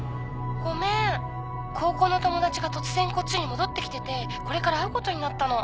ごめん高校の友達が突然こっちに戻ってきててこれから会うことになったの